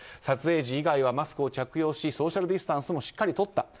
撮影時以外はマスクを着用しソーシャルディスタンスもしっかりとった。